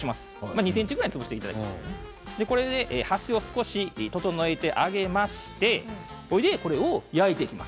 ２ｃｍくらいに潰していただいてこれで端を少し整えてあげましてそして、これを焼いていきます。